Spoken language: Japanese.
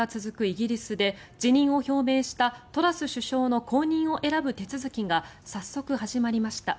イギリスで辞任を表明したトラス首相の後任を選ぶ手続きが早速始まりました。